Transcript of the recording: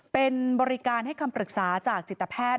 เป็นบริการให้คำปรึกษาจากจิตแพทย์